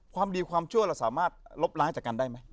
ความดีความชั่วเราสามารถลบล้างจากกันได้ไหม